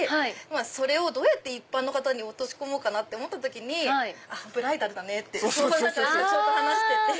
それをどうやって一般の方に落とし込もうかなと思った時にブライダルだねって社長と話してて。